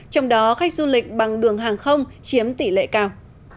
trong đó khách du lịch bằng đường hàng không chiếm tỷ lệ cao